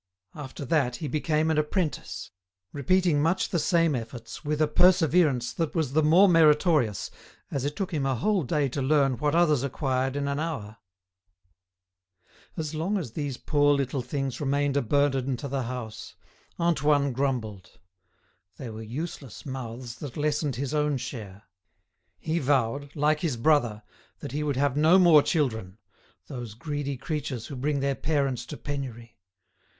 After that he became an apprentice, repeating much the same efforts with a perseverance that was the more meritorious as it took him a whole day to learn what others acquired in an hour. [*] Figures prominently in La Terre (The Earth) and La Debacle (The Downfall). As long as these poor little things remained a burden to the house, Antoine grumbled. They were useless mouths that lessened his own share. He vowed, like his brother, that he would have no more children, those greedy creatures who bring their parents to penury.